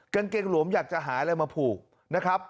กางเกงหลวมอยากจะหาอะไรมาผูกนะครับ